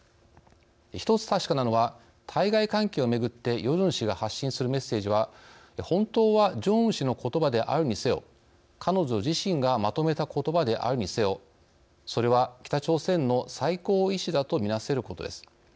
一つ確かなのは対外関係をめぐってヨジョン氏が発信するメッセージは本当はジョンウン氏のことばであるにせよ彼女自身がまとめたことばであるにせよそれは北朝鮮の最高意思だとみなせることです。